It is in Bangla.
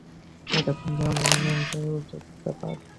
এতক্ষণ যাহা বলা হইতেছিল, তাহা অনেক উচ্চতর ব্যাপার।